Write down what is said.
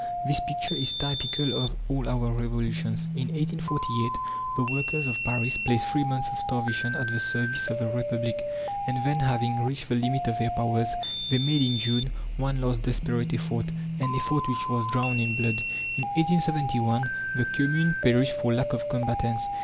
This picture is typical of all our revolutions. In 1848 the workers of Paris placed "three months of starvation" at the service of the Republic, and then, having reached the limit of their powers, they made, in June, one last desperate effort an effort which was drowned in blood. In 1871 the Commune perished for lack of combatants.